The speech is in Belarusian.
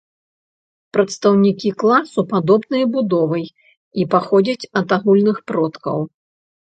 Прадстаўнікі класу падобныя будовай і паходзяць ад агульных продкаў.